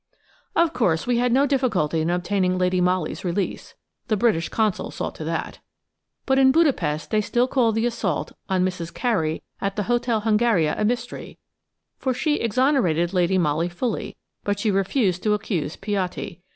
Of course, we had no difficulty in obtaining Lady Molly's release. The British Consul saw to that. But in Budapest they still call the assault on "Mrs. Carey" at the Hotel Hungaria a mystery, for she exonerated Lady Molly fully, but she refused to accuse Piatti.